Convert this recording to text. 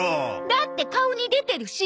だって顔に出てるし！